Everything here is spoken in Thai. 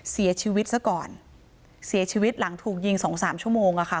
เสียชีวิตซะก่อนเสียชีวิตหลังถูกยิงสองสามชั่วโมงอะค่ะ